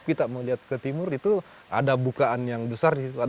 kita mau lihat ke timur itu ada bukaan yang besar di situ